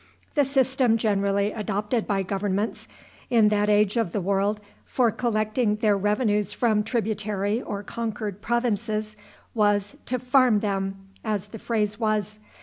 The system generally adopted by governments in that age of the world for collecting their revenues from tributary or conquered provinces was to farm them, as the phrase was.